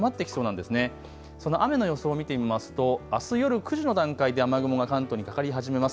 その雨の予想を見てみますとあす夜９時の段階で雨雲が関東にかかり始めます。